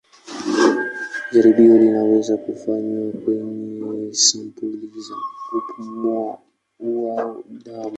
Jaribio linaweza kufanywa kwenye sampuli za kupumua au damu.